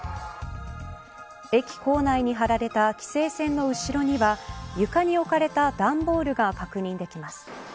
駅構内に張られた規制線の後ろには床に置かれた段ボールが確認できます。